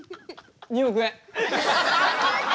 ２億円。